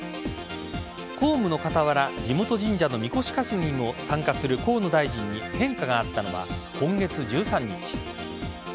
公務の傍ら地元神社のみこし担ぎに参加する河野大臣に変化があったのは今月１３日。